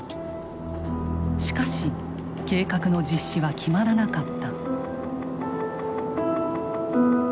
しかし計画の実施は決まらなかった。